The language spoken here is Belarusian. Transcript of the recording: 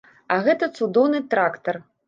А гэта цудоўны трактар.